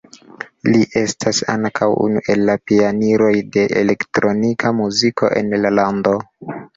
Li estas ankaŭ unu el la pioniroj de elektronika muziko en la lando.